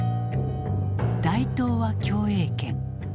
「大東亜共栄圏」。